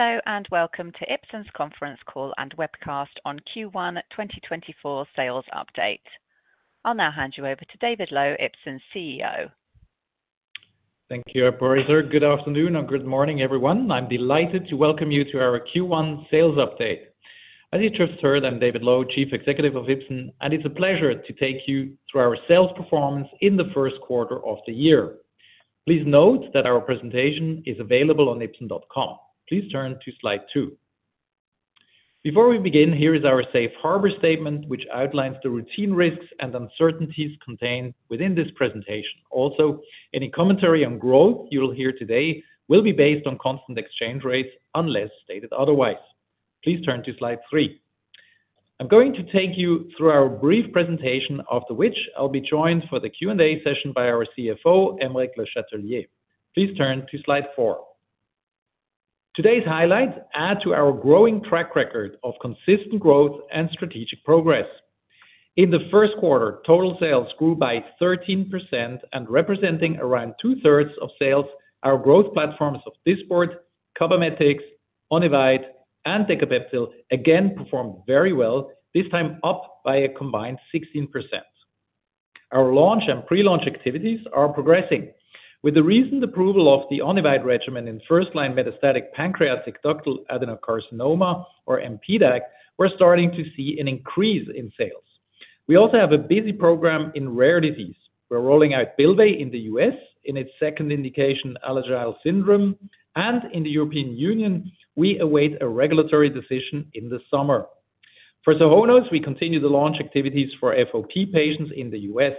Hello and welcome to Ipsen's conference call and webcast on Q1 2024 sales update. I'll now hand you over to David Loew, Ipsen's CEO. Thank you, Aymeric Le Chatelier. Good afternoon or good morning, everyone. I'm delighted to welcome you to our Q1 sales update. As you just heard, I'm David Loew, Chief Executive of Ipsen, and it's a pleasure to take you through our sales performance in the first quarter of the year. Please note that our presentation is available on ipsen.com. Please turn to slide 2. Before we begin, here is our safe harbor statement, which outlines the routine risks and uncertainties contained within this presentation. Also, any commentary on growth you'll hear today will be based on constant exchange rates unless stated otherwise. Please turn to slide 3. I'm going to take you through our brief presentation, after which I'll be joined for the Q&A session by our CFO, Aymeric Le Chatelier. Please turn to slide 4. Today's highlights add to our growing track record of consistent growth and strategic progress. In the first quarter, total sales grew by 13%, and representing around two-thirds of sales, our growth platforms of Dysport, Cabometyx, Onivyde, and Decapeptyl again performed very well, this time up by a combined 16%. Our launch and pre-launch activities are progressing. With the recent approval of the Onivyde regimen in first-line metastatic pancreatic ductal adenocarcinoma, or mPDAC, we're starting to see an increase in sales. We also have a busy program in rare disease. We're rolling out Bylvay in the US in its second indication, Alagille syndrome, and in the European Union, we await a regulatory decision in the summer. For Sohonos, we continue the launch activities for FOP patients in the US.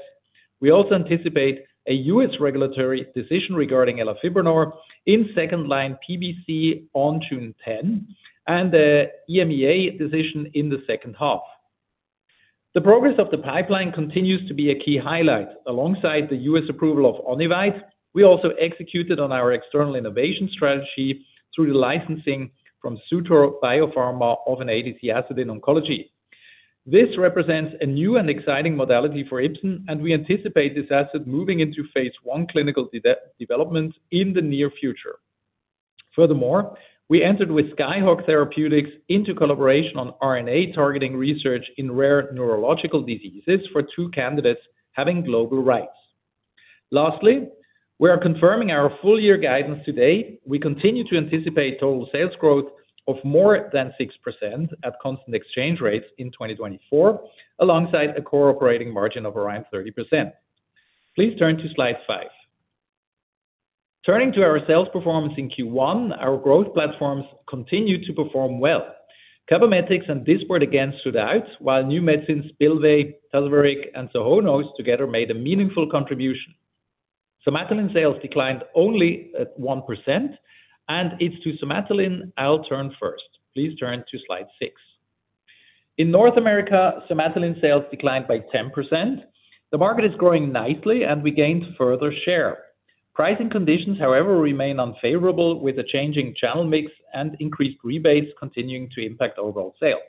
We also anticipate a US regulatory decision regarding Elafibranor in second-line PBC on June 10 and an EMEA decision in the second half. The progress of the pipeline continues to be a key highlight. Alongside the US approval of Onivyde, we also executed on our external innovation strategy through the licensing from Sutro Biopharma of an ADC asset in oncology. This represents a new and exciting modality for Ipsen, and we anticipate this asset moving into phase 1 clinical development in the near future. Furthermore, we entered with Skyhawk Therapeutics into collaboration on RNA targeting research in rare neurological diseases for 2 candidates having global rights. Lastly, we are confirming our full-year guidance today. We continue to anticipate total sales growth of more than 6% at constant exchange rates in 2024, alongside a core operating margin of around 30%. Please turn to slide 5. Turning to our sales performance in Q1, our growth platforms continue to perform well. Cabometyx and Dysport again stood out, while new medicines Bylvay, Tazverik, and Sohonos together made a meaningful contribution. Somatuline sales declined only at 1%, and it's to Somatuline I'll turn first. Please turn to slide 6. In North America, Somatuline sales declined by 10%. The market is growing nicely, and we gained further share. Pricing conditions, however, remain unfavorable, with a changing channel mix and increased rebates continuing to impact overall sales.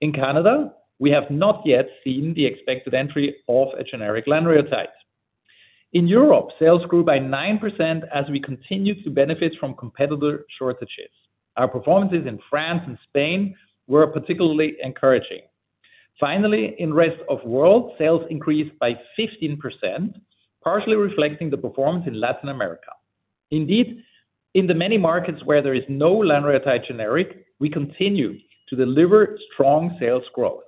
In Canada, we have not yet seen the expected entry of a generic lanreotide. In Europe, sales grew by 9% as we continue to benefit from competitor shortages. Our performances in France and Spain were particularly encouraging. Finally, in the rest of the world, sales increased by 15%, partially reflecting the performance in Latin America. Indeed, in the many markets where there is no lanreotide generic, we continue to deliver strong sales growth.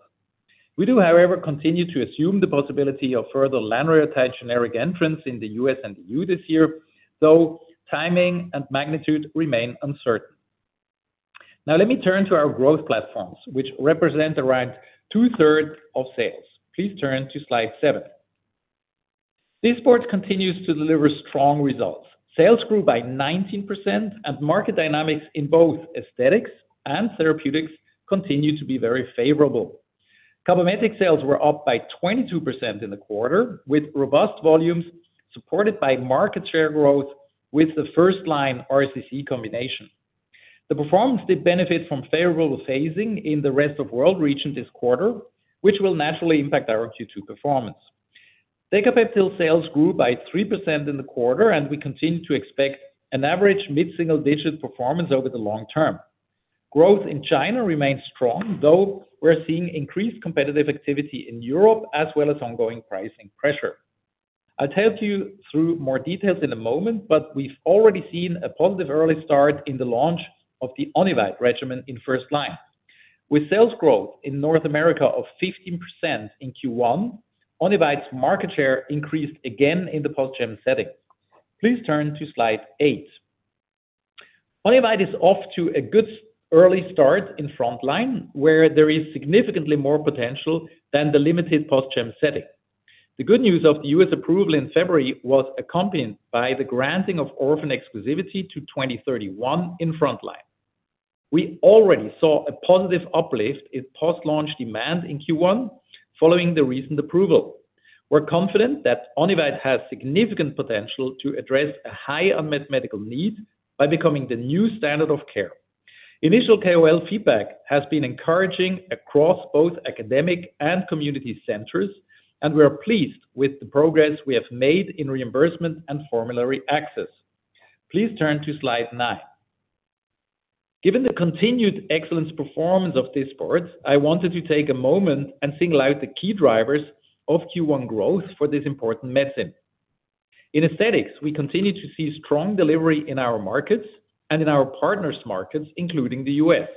We do, however, continue to assume the possibility of further lanreotide generic entrance in the U.S. and the E.U. this year, though timing and magnitude remain uncertain. Now, let me turn to our growth platforms, which represent around two-thirds of sales. Please turn to slide seven. Dysport continues to deliver strong results. Sales grew by 19%, and market dynamics in both aesthetics and therapeutics continue to be very favorable. Cabometyx sales were up by 22% in the quarter, with robust volumes supported by market share growth with the first-line RCC combination. The performance did benefit from favorable phasing in the rest of the world region this quarter, which will naturally impact our Q2 performance. Decapeptyl sales grew by 3% in the quarter, and we continue to expect an average mid-single digit performance over the long term. Growth in China remains strong, though we're seeing increased competitive activity in Europe as well as ongoing pricing pressure. I'll go through more details in a moment, but we've already seen a positive early start in the launch of the Onivyde regimen in first-line. With sales growth in North America of 15% in Q1, Onivyde's market share increased again in the post-GEM setting. Please turn to slide 8. Onivyde is off to a good early start in front-line, where there is significantly more potential than the limited post-GEM setting. The good news of the U.S. approval in February was accompanied by the granting of orphan exclusivity to 2031 in front-line. We already saw a positive uplift in post-launch demand in Q1 following the recent approval. We're confident that Onivyde has significant potential to address a high unmet medical need by becoming the new standard of care. Initial KOL feedback has been encouraging across both academic and community centers, and we are pleased with the progress we have made in reimbursement and formulary access. Please turn to slide 9. Given the continued excellence performance of Dysport, I wanted to take a moment and single out the key drivers of Q1 growth for this important medicine. In aesthetics, we continue to see strong delivery in our markets and in our partners' markets, including the U.S.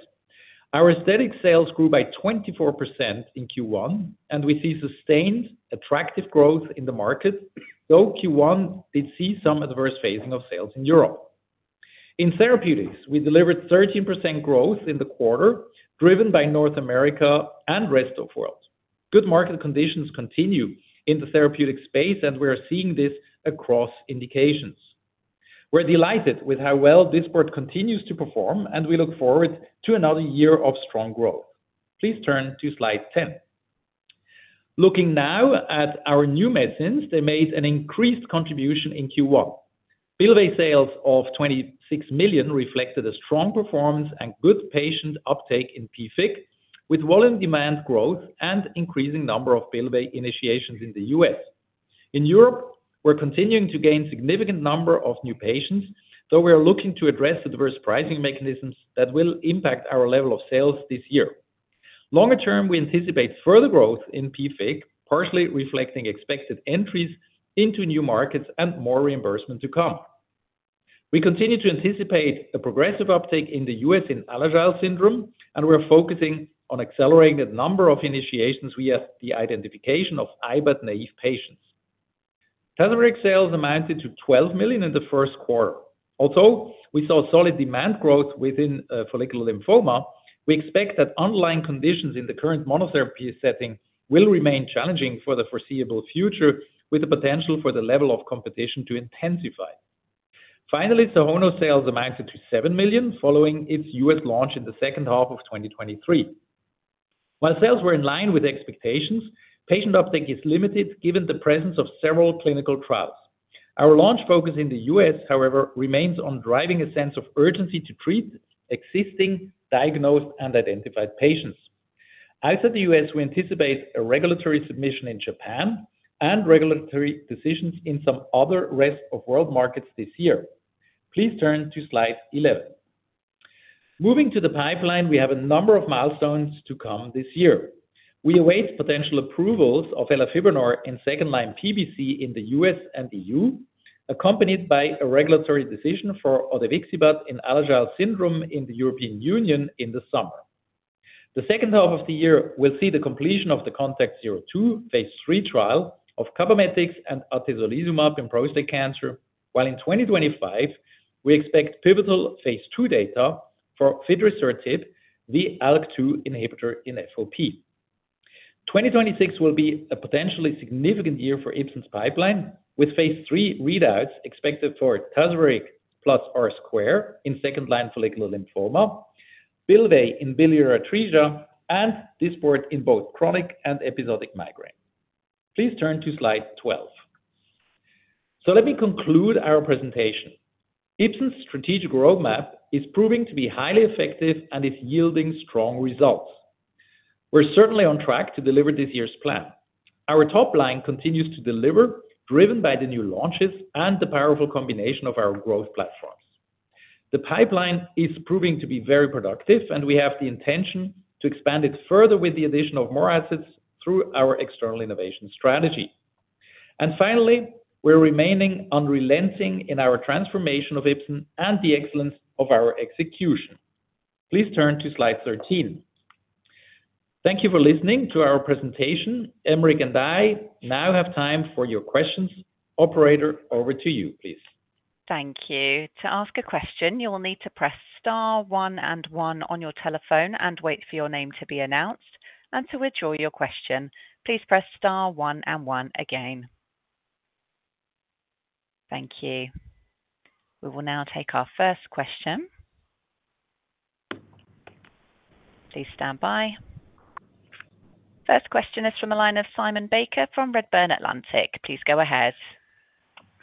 Our aesthetic sales grew by 24% in Q1, and we see sustained, attractive growth in the market, though Q1 did see some adverse phasing of sales in Europe. In therapeutics, we delivered 13% growth in the quarter, driven by North America and the rest of the world. Good market conditions continue in the therapeutic space, and we are seeing this across indications. We're delighted with how well Dysport continues to perform, and we look forward to another year of strong growth. Please turn to slide 10. Looking now at our new medicines, they made an increased contribution in Q1. Bylvay sales of 26 million reflected a strong performance and good patient uptake in PFIC, with volume demand growth and increasing number of Bylvay initiations in the U.S. In Europe, we're continuing to gain a significant number of new patients, though we are looking to address adverse pricing mechanisms that will impact our level of sales this year. Longer term, we anticipate further growth in PFIC, partially reflecting expected entries into new markets and more reimbursement to come. We continue to anticipate a progressive uptake in the U.S. in Alagille syndrome, and we're focusing on accelerating the number of initiations via the identification of IBAT-naive patients. Tazverik sales amounted to 12 million in the first quarter. Although we saw solid demand growth within follicular lymphoma, we expect that underlying conditions in the current monotherapy setting will remain challenging for the foreseeable future, with the potential for the level of competition to intensify. Finally, Sohonos sales amounted to 7 million, following its U.S. launch in the second half of 2023. While sales were in line with expectations, patient uptake is limited given the presence of several clinical trials. Our launch focus in the U.S., however, remains on driving a sense of urgency to treat existing, diagnosed, and identified patients. Outside the U.S., we anticipate a regulatory submission in Japan and regulatory decisions in some other rest of the world markets this year. Please turn to slide 11. Moving to the pipeline, we have a number of milestones to come this year. We await potential approvals of Elafibranor in second-line PBC in the U.S. and the EU, accompanied by a regulatory decision for odevixibat in Alagille syndrome in the European Union in the summer. The second half of the year will see the completion of the Contact-02 phase 3 trial of Cabometyx and Atezolizumab in prostate cancer, while in 2025, we expect pivotal phase 2 data for fidrisertib, the ALK2 inhibitor in FOP. 2026 will be a potentially significant year for Ipsen's pipeline, with phase 3 readouts expected for Tazverik plus R-squared in second-line follicular lymphoma, Bylvay in biliary atresia, and Dysport in both chronic and episodic migraine. Please turn to slide 12. Let me conclude our presentation. Ipsen's strategic roadmap is proving to be highly effective and is yielding strong results. We're certainly on track to deliver this year's plan. Our top line continues to deliver, driven by the new launches and the powerful combination of our growth platforms. The pipeline is proving to be very productive, and we have the intention to expand it further with the addition of more assets through our external innovation strategy. And finally, we're remaining unrelenting in our transformation of Ipsen and the excellence of our execution. Please turn to slide 13. Thank you for listening to our presentation. Aymeric and I now have time for your questions. Operator, over to you, please. Thank you. To ask a question, you will need to press star 1 and 1 on your telephone and wait for your name to be announced. To withdraw your question, please press star 1 and 1 again. Thank you. We will now take our first question. Please stand by. First question is from the line of Simon Baker from Redburn Atlantic. Please go ahead.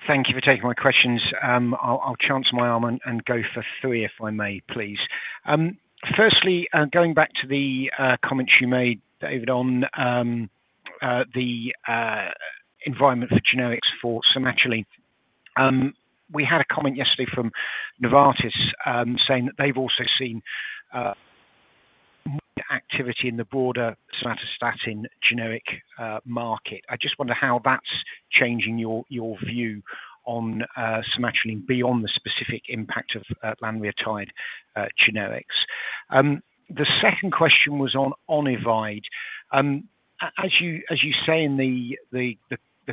Thank you for taking my questions. I'll chance my arm and go for three if I may, please. Firstly, going back to the comments you made, David, on the environment for generics for Somatuline, we had a comment yesterday from Novartis saying that they've also seen more activity in the broader somatostatins generic market. I just wonder how that's changing your view on Somatuline beyond the specific impact of lanreotide generics. The second question was on Onivyde. As you say in the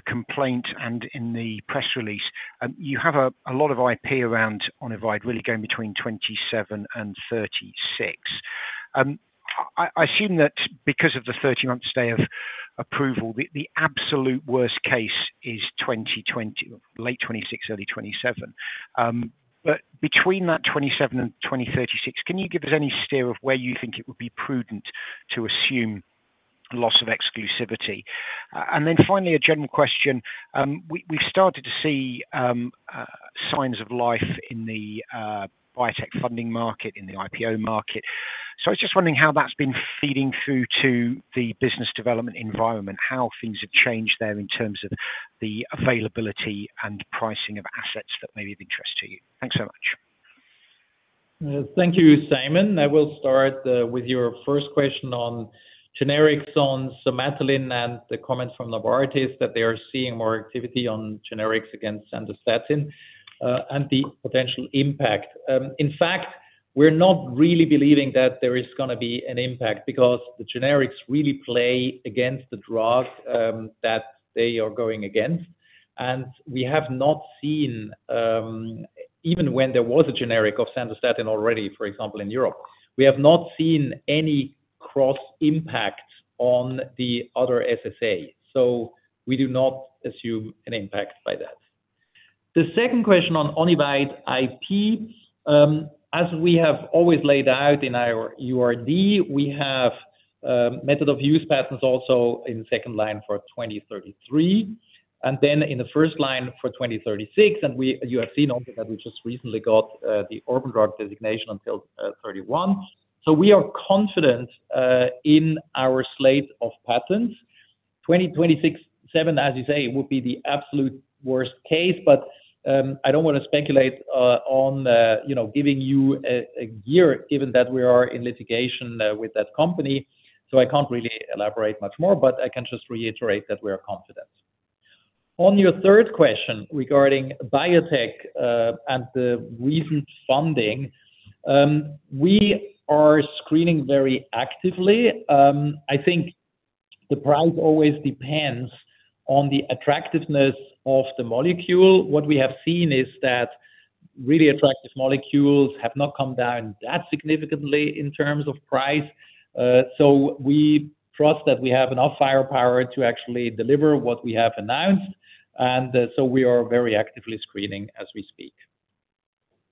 complaint and in the press release, you have a lot of IP around Onivyde, really going between 27 and 36. I assume that because of the 30-month stay of approval, the absolute worst case is late 26, early 27. But between that 27 and 2036, can you give us any steer of where you think it would be prudent to assume loss of exclusivity? Then finally, a general question. We've started to see signs of life in the biotech funding market, in the IPO market. I was just wondering how that's been feeding through to the business development environment, how things have changed there in terms of the availability and pricing of assets that may be of interest to you? Thanks so much. Thank you, Simon. I will start with your first question on generics on Somatuline and the comments from Novartis that they are seeing more activity on generics against Sandostatin and the potential impact. In fact, we're not really believing that there is going to be an impact because the generics really play against the drug that they are going against. And we have not seen, even when there was a generic of Sandostatin already, for example, in Europe, we have not seen any cross-impact on the other SSA. So we do not assume an impact by that. The second question on Onivyde IP. As we have always laid out in our URD, we have method of use patents also in second line for 2033 and then in the first line for 2036. And you have seen also that we just recently got the orphan drug designation until 2031. So we are confident in our slate of patents. 2026, 2007, as you say, would be the absolute worst case, but I don't want to speculate on giving you a year given that we are in litigation with that company. So I can't really elaborate much more, but I can just reiterate that we are confident. On your third question regarding biotech and the recent funding, we are screening very actively. I think the price always depends on the attractiveness of the molecule. What we have seen is that really attractive molecules have not come down that significantly in terms of price. So we trust that we have enough firepower to actually deliver what we have announced. And so we are very actively screening as we speak.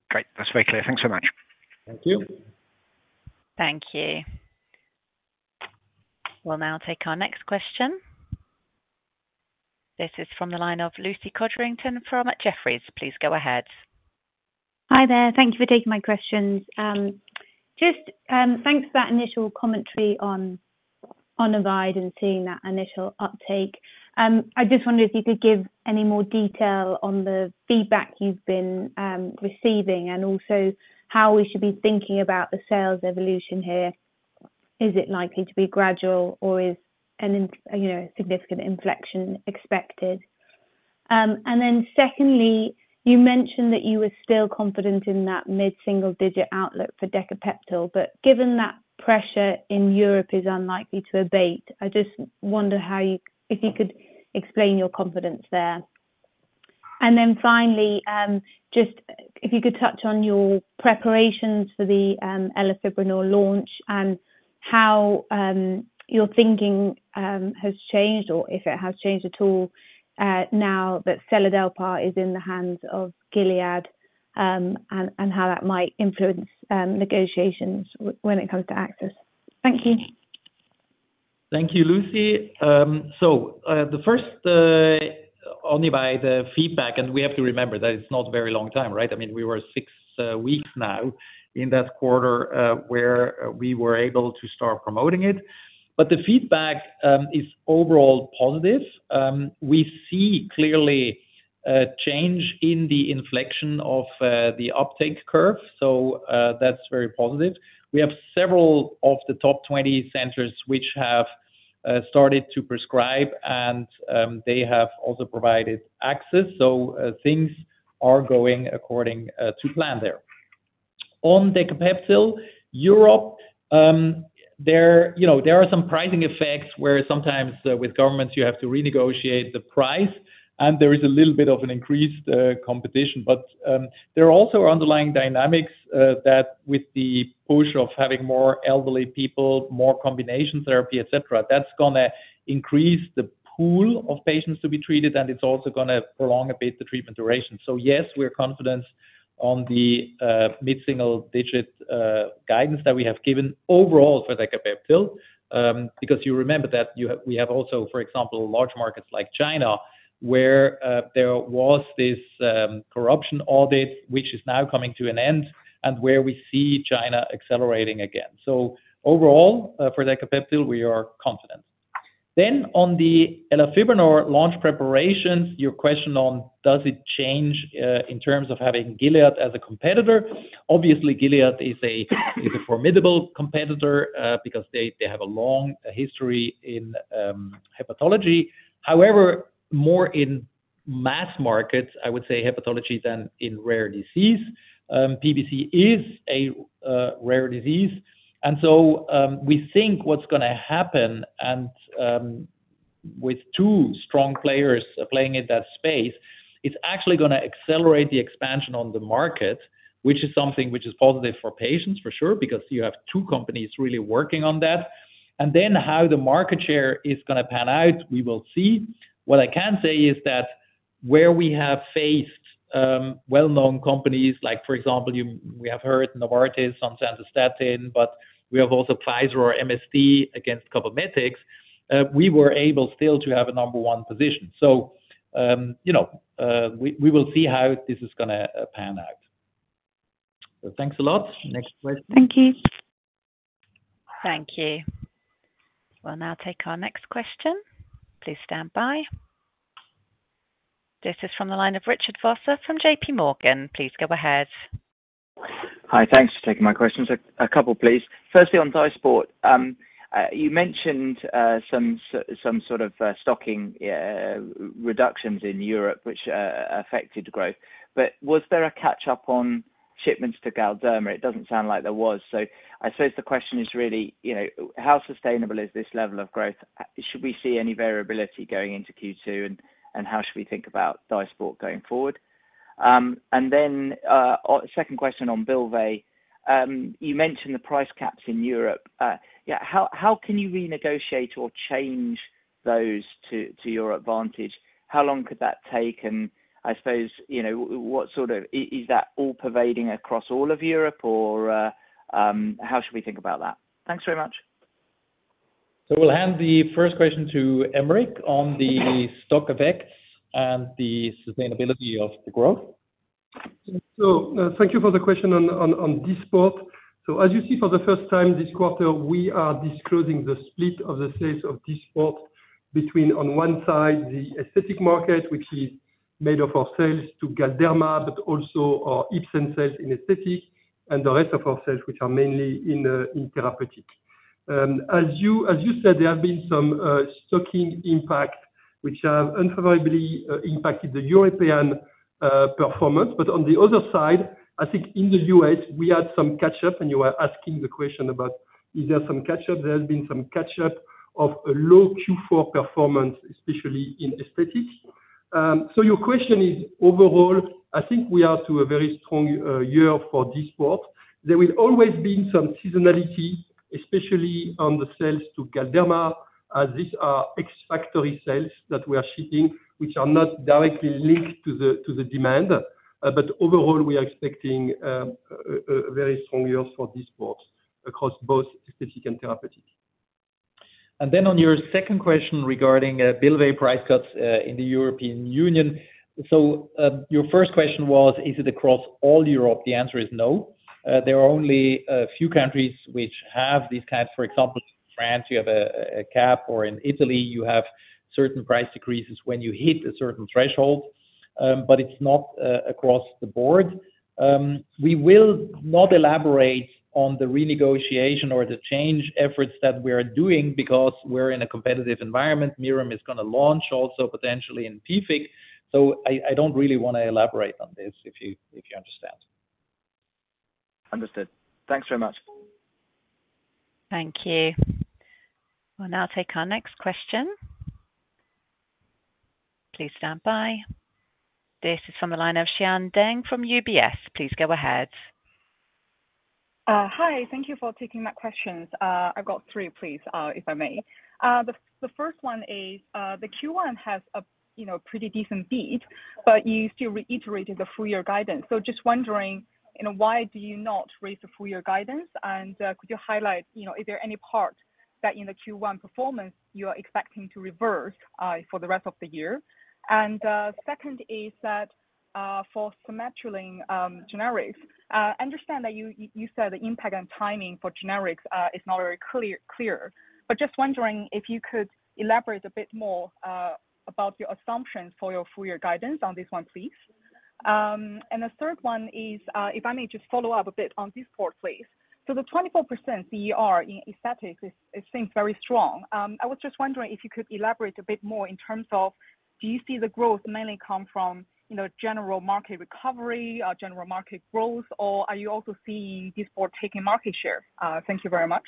Great. That's very clear. Thanks so much. Thank you. Thank you. We'll now take our next question. This is from the line of Lucy Codrington from Jefferies. Please go ahead. Hi there. Thank you for taking my questions. Just thanks for that initial commentary on Onivyde and seeing that initial uptake. I just wondered if you could give any more detail on the feedback you've been receiving and also how we should be thinking about the sales evolution here. Is it likely to be gradual, or is a significant inflection expected? And then secondly, you mentioned that you were still confident in that mid-single digit outlook for Decapeptyl, but given that pressure in Europe is unlikely to abate, I just wonder if you could explain your confidence there. And then finally, just if you could touch on your preparations for the Elafibranor launch and how your thinking has changed or if it has changed at all now that Seladelpar is in the hands of Gilead and how that might influence negotiations when it comes to access. Thank you. Thank you, Lucy. So the first Onivyde feedback, and we have to remember that it's not a very long time, right? I mean, we were six weeks now in that quarter where we were able to start promoting it. But the feedback is overall positive. We see clearly change in the inflection of the uptake curve. So that's very positive. We have several of the top 20 centers which have started to prescribe, and they have also provided access. So things are going according to plan there. On Decapeptyl Europe, there are some pricing effects where sometimes with governments, you have to renegotiate the price, and there is a little bit of an increased competition. But there are also underlying dynamics that with the push of having more elderly people, more combination therapy, etc., that's going to increase the pool of patients to be treated, and it's also going to prolong a bit the treatment duration. So yes, we're confident on the mid-single-digit guidance that we have given overall for Decapeptyl because you remember that we have also, for example, large markets like China where there was this corruption audit, which is now coming to an end, and where we see China accelerating again. So overall, for Decapeptyl, we are confident. Then on the Elafibranor launch preparations, your question on does it change in terms of having Gilead as a competitor? Obviously, Gilead is a formidable competitor because they have a long history in hepatology. However, more in mass markets, I would say hepatology than in rare disease. PBC is a rare disease. And so we think what's going to happen with two strong players playing in that space, it's actually going to accelerate the expansion on the market, which is something which is positive for patients for sure because you have two companies really working on that. And then how the market share is going to pan out, we will see. What I can say is that where we have faced well-known companies, like for example, we have faced Novartis on Sandostatin, but we have also Pfizer or MSD against Cabometyx, we were able still to have a number one position. So we will see how this is going to pan out. So thanks a lot. Next question. Thank you. Thank you. We'll now take our next question. Please stand by. This is from the line of Richard Vosser from J.P. Morgan. Please go ahead. Hi. Thanks for taking my questions. A couple, please. Firstly, on Dysport, you mentioned some sort of stocking reductions in Europe, which affected growth. But was there a catch-up on shipments to Galderma? It doesn't sound like there was. So I suppose the question is really, how sustainable is this level of growth? Should we see any variability going into Q2, and how should we think about Dysport going forward? And then second question on Bylvay. You mentioned the price caps in Europe. How can you renegotiate or change those to your advantage? How long could that take? And I suppose, what sort of is that all pervading across all of Europe, or how should we think about that? Thanks very much. We'll hand the first question to Aymeric on the stock effects and the sustainability of the growth. So thank you for the question on Dysport. So as you see, for the first time this quarter, we are disclosing the split of the sales of Dysport between, on one side, the aesthetic market, which is made of our sales to Galderma, but also our Ipsen sales in aesthetic, and the rest of our sales, which are mainly in therapeutic. As you said, there have been some stocking impacts, which have unfavorably impacted the European performance. But on the other side, I think in the U.S., we had some catch-up, and you were asking the question about is there some catch-up. There has been some catch-up of a low Q4 performance, especially in aesthetic. So your question is, overall, I think we are to a very strong year for Dysport. There will always be some seasonality, especially on the sales to Galderma, as these are ex-factory sales that we are shipping, which are not directly linked to the demand. But overall, we are expecting a very strong year for Dysport across both aesthetic and therapeutic. On your second question regarding Bylvay price cuts in the European Union. Your first question was, is it across all Europe? The answer is no. There are only a few countries which have these caps. For example, in France, you have a cap, or in Italy, you have certain price decreases when you hit a certain threshold. It's not across the board. We will not elaborate on the renegotiation or the change efforts that we are doing because we're in a competitive environment. Mirum is going to launch also potentially in PFIC. I don't really want to elaborate on this if you understand. Understood. Thanks very much. Thank you. We'll now take our next question. Please stand by. This is from the line of Xian Deng from UBS. Please go ahead. Hi. Thank you for taking that question. I've got three, please, if I may. The first one is, the Q1 has a pretty decent beat, but you still reiterated the full-year guidance. So just wondering, why do you not raise the full-year guidance? And could you highlight, is there any part that in the Q1 performance you are expecting to reverse for the rest of the year? And second is that for Somatuline generics, I understand that you said the impact and timing for generics is not very clear. But just wondering if you could elaborate a bit more about your assumptions for your full-year guidance on this one, please. And the third one is, if I may just follow up a bit on Dysport, please. So the 24% CER in aesthetics, it seems very strong. I was just wondering if you could elaborate a bit more in terms of, do you see the growth mainly come from general market recovery, general market growth, or are you also seeing Dysport taking market share? Thank you very much.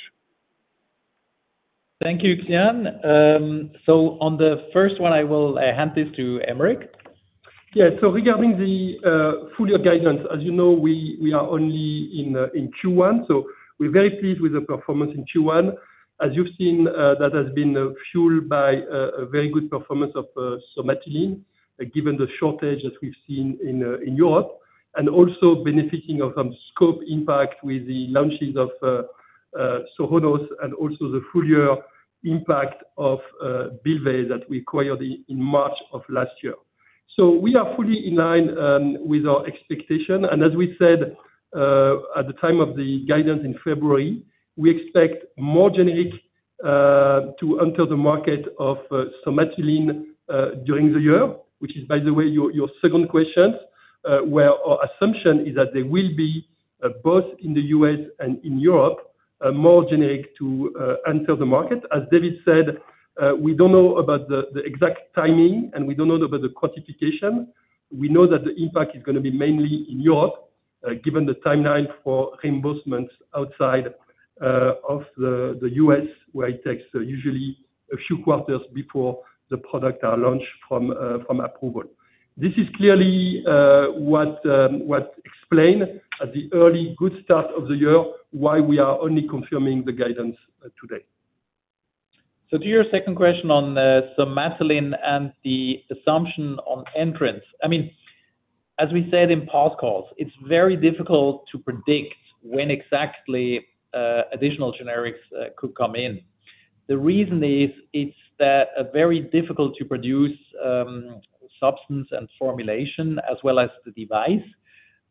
Thank you, Xian. So on the first one, I will hand this to Aymeric. Yeah. So regarding the full-year guidance, as you know, we are only in Q1. So we're very pleased with the performance in Q1. As you've seen, that has been fueled by a very good performance of Somatuline given the shortage that we've seen in Europe and also benefiting from scope impact with the launches of Sohonos and also the full-year impact of Bylvay that we acquired in March of last year. So we are fully in line with our expectation. And as we said at the time of the guidance in February, we expect more generics to enter the market of Somatuline during the year, which is, by the way, your second question, where our assumption is that there will be both in the U.S. and in Europe more generics to enter the market. As David said, we don't know about the exact timing, and we don't know about the quantification. We know that the impact is going to be mainly in Europe given the timeline for reimbursements outside of the U.S., where it takes usually a few quarters before the products are launched from approval. This is clearly what explains the early good start of the year why we are only confirming the guidance today. So to your second question on Somatuline and the assumption on entrance. I mean, as we said in past calls, it's very difficult to predict when exactly additional generics could come in. The reason is that it's very difficult to produce substance and formulation as well as the device.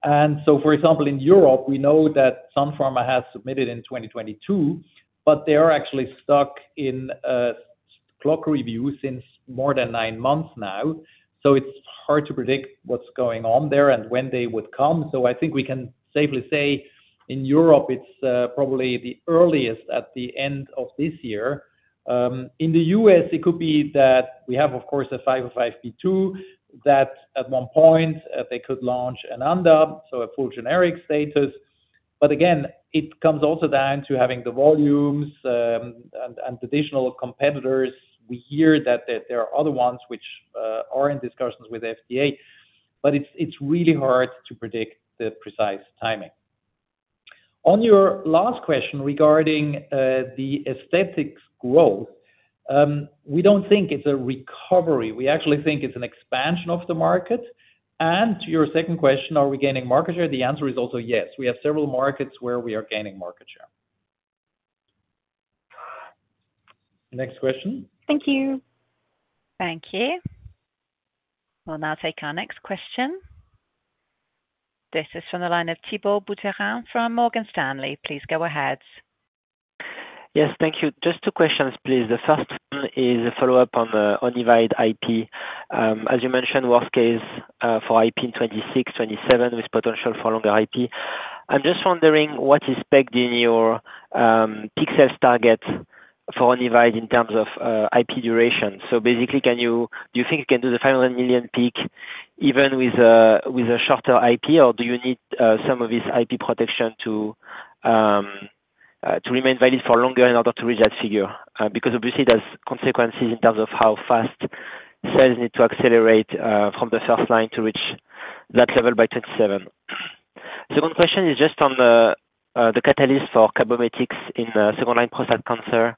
And so, for example, in Europe, we know that Sun Pharma has submitted in 2022, but they are actually stuck in clock review since more than nine months now. So it's hard to predict what's going on there and when they would come. So I think we can safely say in Europe, it's probably the earliest at the end of this year. In the U.S., it could be that we have, of course, a 505(b)(2) that at one point, they could launch an ANDA, so a full generic status. But again, it comes also down to having the volumes and additional competitors. We hear that there are other ones which are in discussions with the FDA. But it's really hard to predict the precise timing. On your last question regarding the aesthetics growth, we don't think it's a recovery. We actually think it's an expansion of the market. And to your second question, are we gaining market share? The answer is also yes. We have several markets where we are gaining market share. Next question. Thank you. Thank you. We'll now take our next question. This is from the line of Thibault Boutherin from Morgan Stanley. Please go ahead. Yes. Thank you. Just two questions, please. The first one is a follow-up on Onivyde IP. As you mentioned, worst case for IP in 2026, 2027 with potential for longer IP. I'm just wondering, what is spec'd in your peak sales target for Onivyde in terms of IP duration? So basically, do you think you can do the 500 million peak even with a shorter IP, or do you need some of this IP protection to remain valid for longer in order to reach that figure? Because obviously, there's consequences in terms of how fast sales need to accelerate from the first line to reach that level by 2027. Second question is just on the catalyst for Cabometyx in second-line prostate cancer,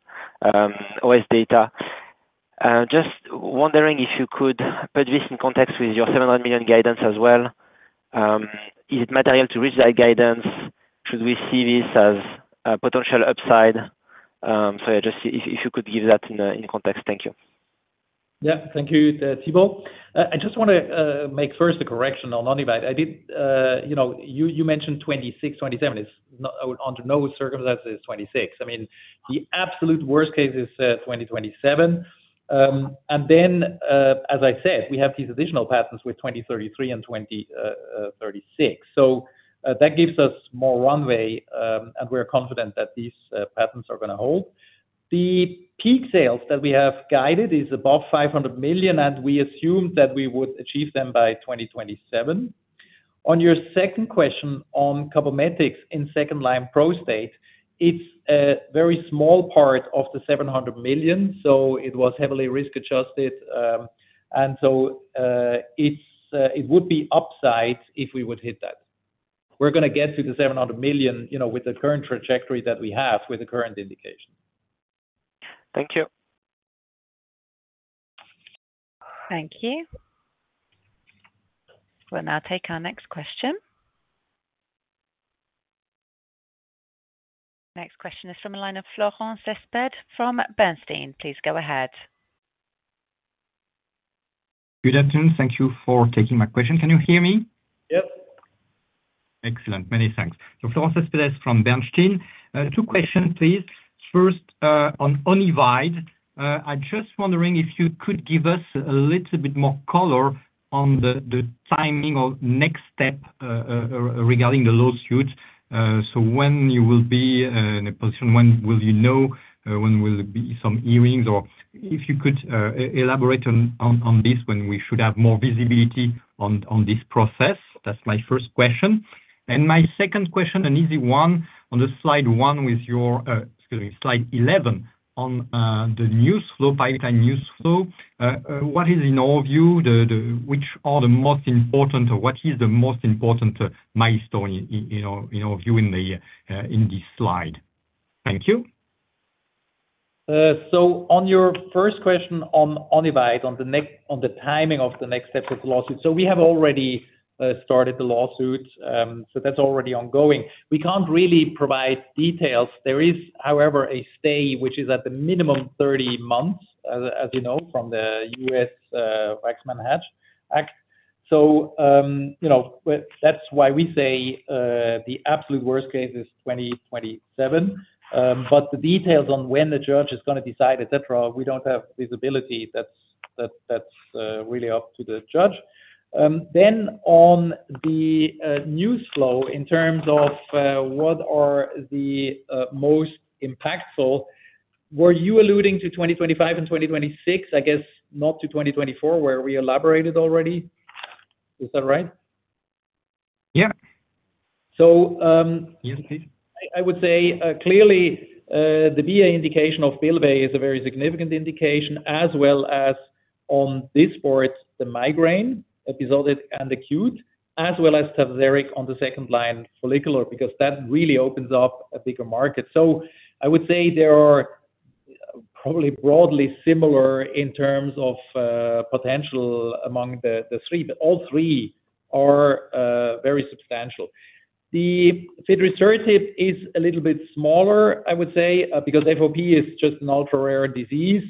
OS data. Just wondering if you could put this in context with your 700 million guidance as well. Is it material to reach that guidance? Should we see this as a potential upside? So yeah, just if you could give that in context. Thank you. Yeah. Thank you, Thibault. I just want to make first a correction on Onivyde. You mentioned 2026, 2027. Under no circumstances is 2026. I mean, the absolute worst case is 2027. And then, as I said, we have these additional patents with 2033 and 2036. So that gives us more runway, and we're confident that these patents are going to hold. The peak sales that we have guided is above 500 million, and we assumed that we would achieve them by 2027. On your second question on Cabometyx in second-line prostate, it's a very small part of the 700 million. So it was heavily risk-adjusted. And so it would be upside if we would hit that. We're going to get to the 700 million with the current trajectory that we have with the current indication. Thank you. Thank you. We'll now take our next question. Next question is from the line of Florent Cespedes from Bernstein. Please go ahead. Good afternoon. Thank you for taking my question. Can you hear me? Yes. Excellent. Many thanks. So Florent Cespedes is from Bernstein. Two questions, please. First, on Onivyde, I'm just wondering if you could give us a little bit more color on the timing or next step regarding the lawsuit. So when you will be in a position, when will you know, when will there be some hearings? Or if you could elaborate on this when we should have more visibility on this process. That's my first question. And my second question, an easy one, on the slide one with your excuse me, slide 11 on the newsflow, pipeline newsflow. What is, in your view, which are the most important, or what is the most important milestone, in your view, in this slide? Thank you. So on your first question on Onivyde, on the timing of the next steps of the lawsuit. So we have already started the lawsuit. So that's already ongoing. We can't really provide details. There is, however, a stay, which is at the minimum 30 months, as you know, from the U.S. Waxman-Hatch Act. So that's why we say the absolute worst case is 2027. But the details on when the judge is going to decide, etc., we don't have visibility. That's really up to the judge. Then on the newsflow, in terms of what are the most impactful, were you alluding to 2025 and 2026, I guess, not to 2024, where we elaborated already? Is that right? Yeah. So I would say clearly, the BA indication of Bylvay is a very significant indication, as well as on Dysport, the migraine episodic and acute, as well as Tazverik on the second line, follicular, because that really opens up a bigger market. So I would say they are probably broadly similar in terms of potential among the three. But all three are very substantial. The fidrisertib is a little bit smaller, I would say, because FOP is just an ultra-rare disease.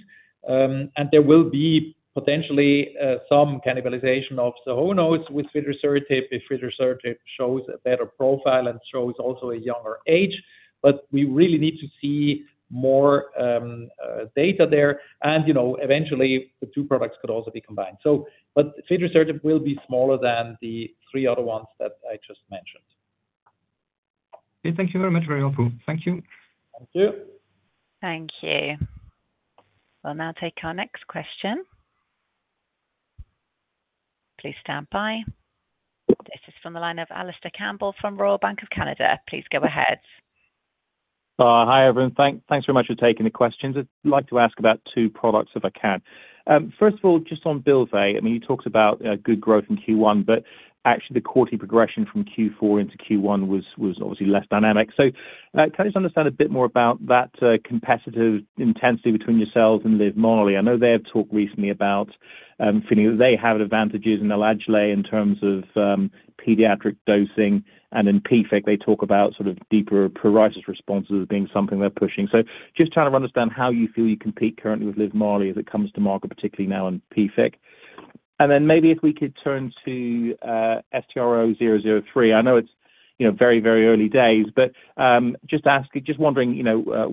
And there will be potentially some cannibalization of Sohonos with fidrisertib if fidrisertib shows a better profile and shows also a younger age. But we really need to see more data there. And eventually, the two products could also be combined. But fidrisertib will be smaller than the three other ones that I just mentioned. Okay. Thank you very much. Very helpful. Thank you. Thank you. Thank you. We'll now take our next question. Please stand by. This is from the line of Alistair Campbell from Royal Bank of Canada. Please go ahead. Hi, everyone. Thanks very much for taking the questions. I'd like to ask about two products if I can. First of all, just on Bylvay, I mean, you talked about good growth in Q1, but actually, the quarterly progression from Q4 into Q1 was obviously less dynamic. So can I just understand a bit more about that competitive intensity between yourselves and Livmarli? I know they have talked recently about feeling that they have advantages in Alagille in terms of pediatric dosing. And in PFIC, they talk about sort of deeper pruritus responses as being something they're pushing. So just trying to understand how you feel you compete currently with Livmarli as it comes to market, particularly now in PFIC. And then maybe if we could turn to STRO-003. I know it's very, very early days, but just wondering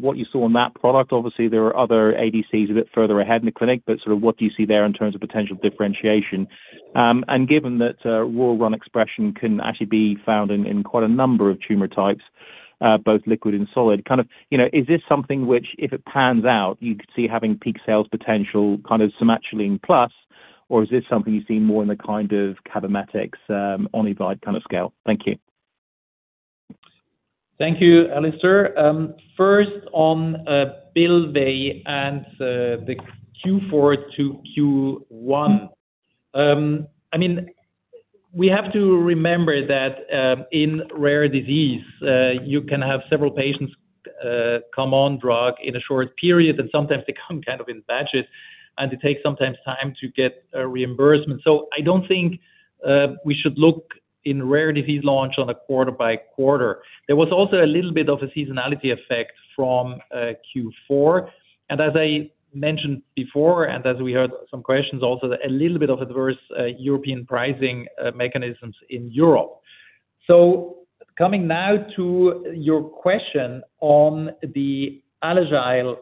what you saw on that product. Obviously, there are other ADCs a bit further ahead in the clinic, but sort of what do you see there in terms of potential differentiation? And given that ROR1 expression can actually be found in quite a number of tumor types, both liquid and solid, kind of is this something which, if it pans out, you could see having peak sales potential kind of Somatuline plus, or is this something you see more in the kind of Cabometyx, Onivyde kind of scale? Thank you. Thank you, Alistair. First, on Bylvay and the Q4 to Q1. I mean, we have to remember that in rare disease, you can have several patients come on drug in a short period, and sometimes they come kind of in batches. And it takes sometimes time to get reimbursement. So I don't think we should look in rare disease launch on a quarter by quarter. There was also a little bit of a seasonality effect from Q4. And as I mentioned before, and as we heard some questions also, a little bit of adverse European pricing mechanisms in Europe. So coming now to your question on the Alagille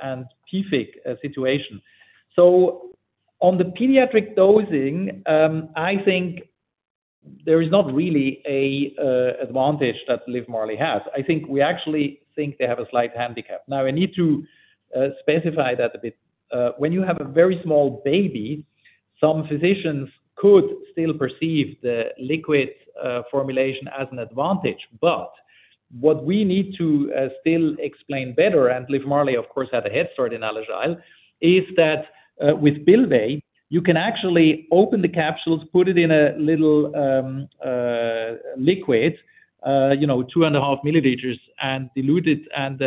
and PFIC situation. So on the pediatric dosing, I think there is not really an advantage that Livmarli has. I think we actually think they have a slight handicap. Now, I need to specify that a bit. When you have a very small baby, some physicians could still perceive the liquid formulation as an advantage. But what we need to still explain better - and Livmarli, of course, had a head start in Alagille - is that with Bylvay, you can actually open the capsules, put it in a little liquid, 2.5 milliliters, and dilute it and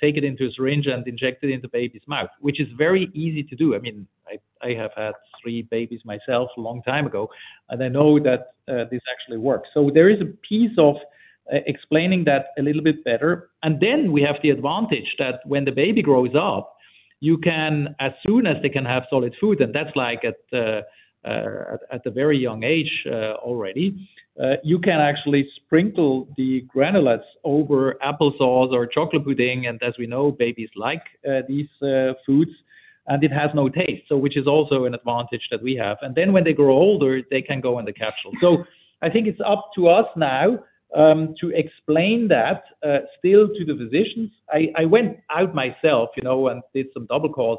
take it into a syringe and inject it into baby's mouth, which is very easy to do. I mean, I have had three babies myself a long time ago, and I know that this actually works. So there is a piece of explaining that a little bit better. And then we have the advantage that when the baby grows up, as soon as they can have solid food, and that's at a very young age already, you can actually sprinkle the granulates over applesauce or chocolate pudding. And as we know, babies like these foods, and it has no taste, which is also an advantage that we have. And then when they grow older, they can go in the capsule. So I think it's up to us now to explain that still to the physicians. I went out myself and did some double calls.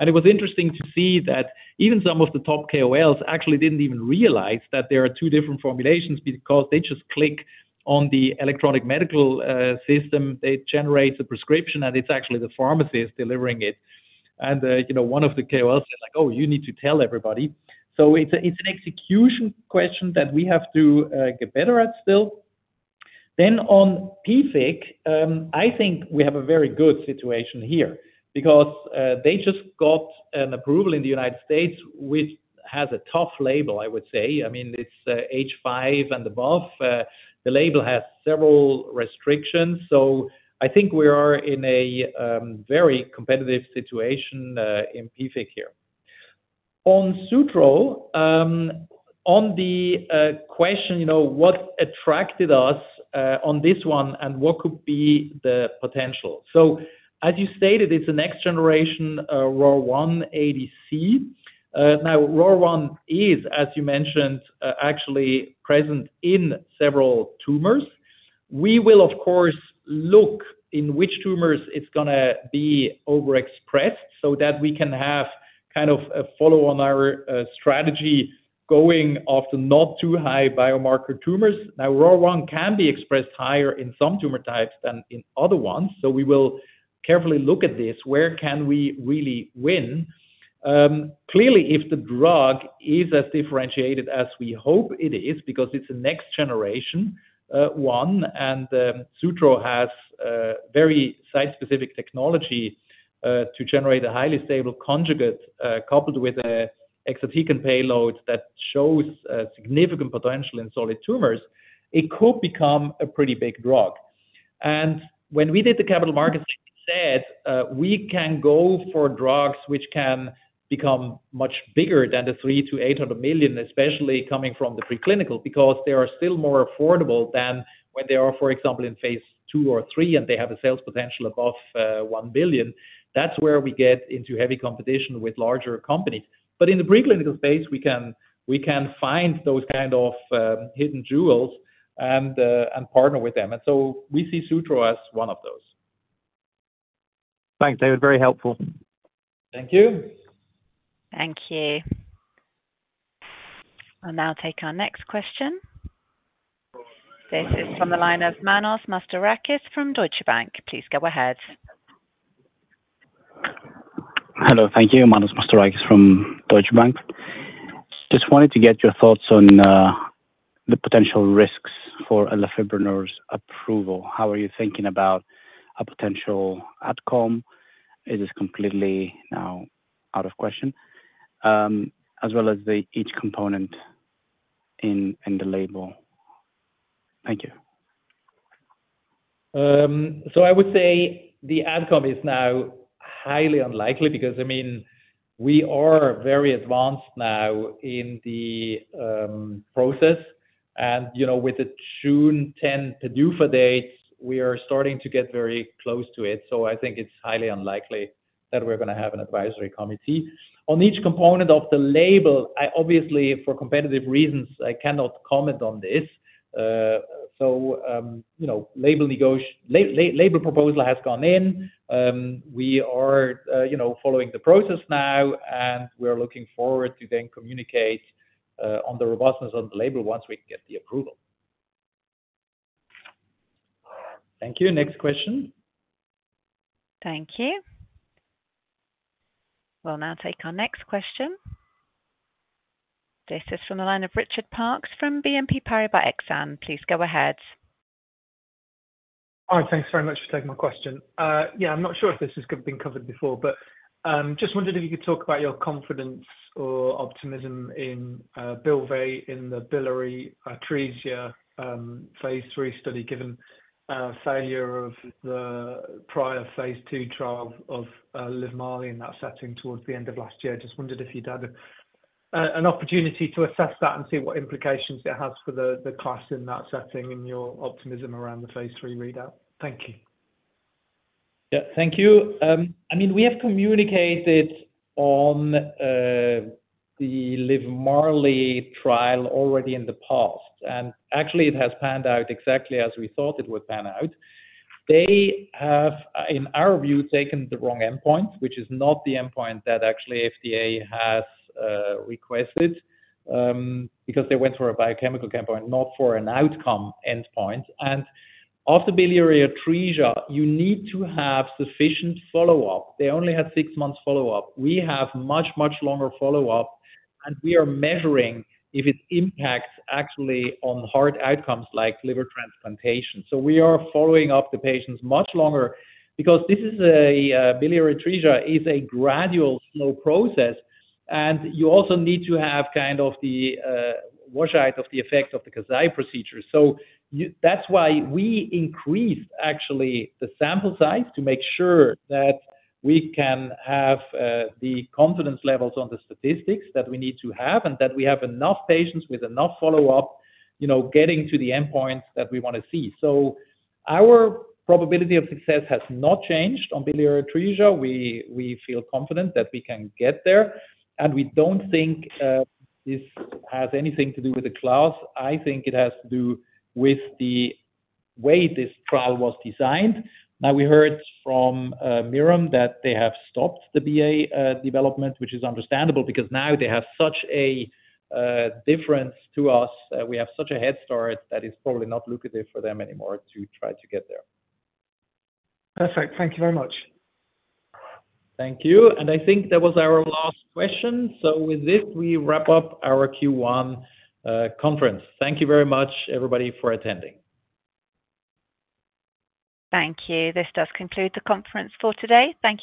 And it was interesting to see that even some of the top KOLs actually didn't even realize that there are two different formulations because they just click on the electronic medical system. They generate the prescription, and it's actually the pharmacist delivering it. One of the KOLs said like, "Oh, you need to tell everybody." So it's an execution question that we have to get better at still. Then on PFIC, I think we have a very good situation here because they just got an approval in the United States, which has a tough label, I would say. I mean, it's age five and above. The label has several restrictions. So I think we are in a very competitive situation in PFIC here. On Sutro, on the question, what attracted us on this one, and what could be the potential? So as you stated, it's a next-generation ROR1 ADC. Now, ROR1 is, as you mentioned, actually present in several tumors. We will, of course, look in which tumors it's going to be overexpressed so that we can have kind of a follow-on strategy going off the not-too-high biomarker tumors. Now, RAW1 can be expressed higher in some tumor types than in other ones. So we will carefully look at this. Where can we really win? Clearly, if the drug is as differentiated as we hope it is because it's a next-generation one, and Sutro has very site-specific technology to generate a highly stable conjugate coupled with an exatecan payload that shows significant potential in solid tumors, it could become a pretty big drug. And when we did the capital markets, we said we can go for drugs which can become much bigger than the 3 million-800 million, especially coming from the preclinical, because they are still more affordable than when they are, for example, in phase 2 or 3, and they have a sales potential above 1 billion. That's where we get into heavy competition with larger companies. In the preclinical space, we can find those kind of hidden jewels and partner with them. So we see Sutro as one of those. Thanks, David. Very helpful. Thank you. Thank you. We'll now take our next question. This is from the line of Manos Mastorakis from Deutsche Bank. Please go ahead. Hello. Thank you. Manos Mastarakis from Deutsche Bank. Just wanted to get your thoughts on the potential risks for an Elafibranor approval. How are you thinking about a potential outcome? Is this completely now out of the question? As well as each component in the label. Thank you. So I would say the outcome is now highly unlikely because, I mean, we are very advanced now in the process. With the June 10 PDUFA dates, we are starting to get very close to it. I think it's highly unlikely that we're going to have an advisory committee. On each component of the label, obviously, for competitive reasons, I cannot comment on this. Label proposal has gone in. We are following the process now, and we are looking forward to then communicate on the robustness on the label once we get the approval. Thank you. Next question. Thank you. We'll now take our next question. This is from the line of Richard Parkes from BNP Paribas Exane. Please go ahead. Hi. Thanks very much for taking my question. Yeah, I'm not sure if this has been covered before, but just wondered if you could talk about your confidence or optimism in Bylvay, in the Biliary Atresia phase 3 study, given failure of the prior phase 2 trial of Livmarli in that setting towards the end of last year. Just wondered if you'd had an opportunity to assess that and see what implications it has for the class in that setting and your optimism around the phase 3 readout. Thank you. Yeah. Thank you. I mean, we have communicated on the Livmarli trial already in the past. Actually, it has panned out exactly as we thought it would pan out. They have, in our view, taken the wrong endpoint, which is not the endpoint that actually FDA has requested because they went for a biochemical endpoint, not for an outcome endpoint. After Biliary Atresia, you need to have sufficient follow-up. They only had 6 months follow-up. We have much, much longer follow-up, and we are measuring if it impacts actually on hard outcomes like liver transplantation. So we are following up the patients much longer because Biliary Atresia is a gradual, slow process. You also need to have kind of the washout of the effect of the Kasai procedure. So that's why we increased, actually, the sample size to make sure that we can have the confidence levels on the statistics that we need to have and that we have enough patients with enough follow-up getting to the endpoints that we want to see. Our probability of success has not changed on Bylvay in Biliary Atresia. We feel confident that we can get there. We don't think this has anything to do with the class. I think it has to do with the way this trial was designed. Now, we heard from Mirum that they have stopped the BA development, which is understandable because now they have such a difference to us. We have such a head start that it's probably not lucrative for them anymore to try to get there. Perfect. Thank you very much. Thank you. I think that was our last question. With this, we wrap up our Q1 conference. Thank you very much, everybody, for attending. Thank you. This does conclude the conference for today. Thank you.